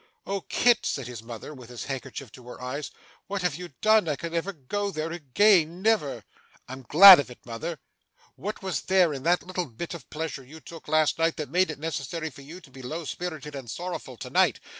'Oh Kit!' said his mother, with her handkerchief to her eyes, 'what have you done! I never can go there again never!' 'I'm glad of it, mother. What was there in the little bit of pleasure you took last night that made it necessary for you to be low spirited and sorrowful tonight?